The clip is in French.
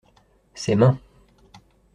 Ses mains.